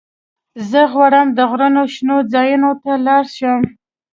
زه غواړم د غرونو شنو ځايونو ته ولاړ شم.